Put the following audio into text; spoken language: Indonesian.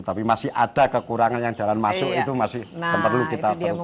tapi masih ada kekurangan yang jalan masuk itu masih perlu kita perbai